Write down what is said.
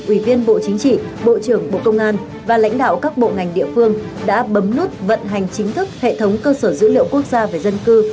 ủy viên bộ chính trị bộ trưởng bộ công an và lãnh đạo các bộ ngành địa phương đã bấm nút vận hành chính thức hệ thống cơ sở dữ liệu quốc gia về dân cư